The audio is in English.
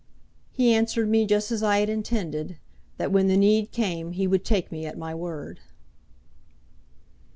"He answered me just as I had intended, that when the need came he would take me at my word."